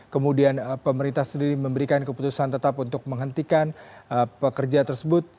kemudian pemerintah sendiri memberikan keputusan tetap untuk menghentikan pekerja tersebut